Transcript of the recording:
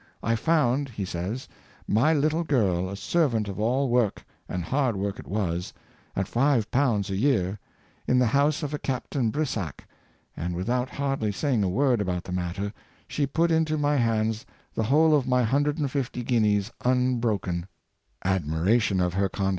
I found," he sa3^s, " my little girl a servant of all work (and hard work it was), at five pounds a year, in the house of a Captain Brisac, and, without hardly saying a word about the matter, she put into m}^ hands the whole of my hundred and fifty guineas, unbroken," Admiration of her condu